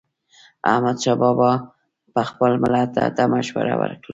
احمدشاه بابا به خپل ملت ته مشوره ورکوله.